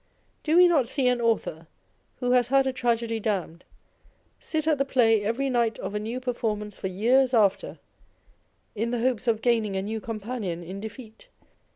Do we not see an author, who has had a tragedy damned, sit at the play every night of a new performance for years after, in the hopes of gaining a new companion in defeat